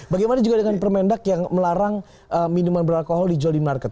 bagaimana juga dengan permendak yang melarang minuman beralkohol dijual di market